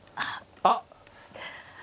あっ。